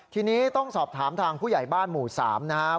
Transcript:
ทีนี้ต้องสอบถามทางผู้ใหญ่บ้านหมู่๓นะครับ